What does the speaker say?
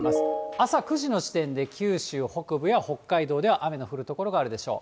朝９時の時点で九州北部や北海道では雨の降る所があるでしょう。